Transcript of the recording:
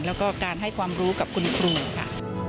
แล้วก็การให้ความรู้กับคุณครูค่ะ